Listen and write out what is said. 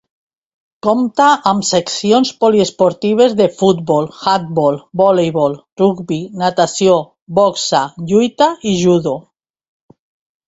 Compta amb seccions poliesportives de futbol, handbol, voleibol, rugbi, natació, boxa, lluita i judo.